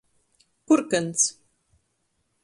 Kurkyns.